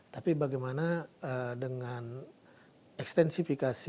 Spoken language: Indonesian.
tapi bagaimana dengan ekstensifikasi